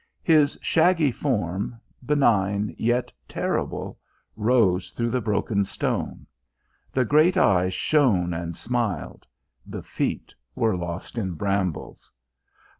His shaggy form, benign yet terrible, rose through the broken stone. The great eyes shone and smiled. The feet were lost in brambles.